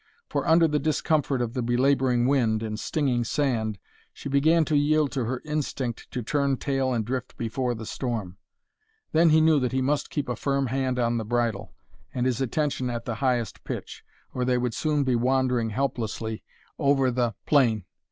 For, under the discomfort of the belaboring wind and stinging sand, she began to yield to her instinct to turn tail and drift before the storm. Then he knew that he must keep a firm hand on the bridle, and his attention at the highest pitch, or they would soon be wandering helplessly over the plain.